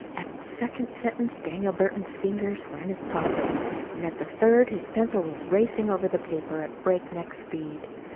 At the second sentence Daniel Burton's fingers were in his pocket, and at the third his pencil was racing over the paper at breakneck speed.